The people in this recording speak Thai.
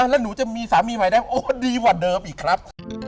แล้วหนูจะมีสามีใหม่ได้โอ้ดีกว่าเดิมอีกครับ